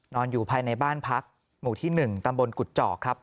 นอนอยู่ภายในบ้านพักหมู่ที่หนึ่งตำบลกุจจอกครับ